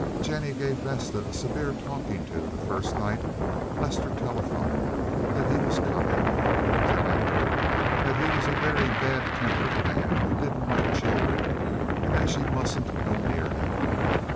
Jennie gave Vesta a severe talking to the first night Lester telephoned that he was coming, telling her that he was a very bad tempered man who didn't like children, and that she mustn't go near him.